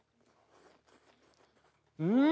うん！